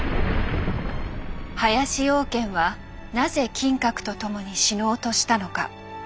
林養賢はなぜ金閣と共に死のうとしたのか。